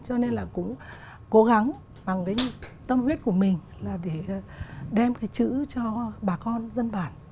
cho nên là cũng cố gắng bằng cái tâm huyết của mình là để đem cái chữ cho bà con dân bản